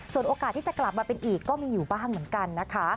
โอกาสที่จะกลับมาเป็นอีกก็มีอยู่บ้างเหมือนกันนะคะ